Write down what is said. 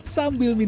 sambil minum air